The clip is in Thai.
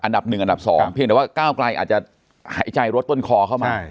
อันดับ๑อันดับ๒เพียงแต่ว่าก้าวไกลอาจจะหายใจรถต้นคอเข้ามา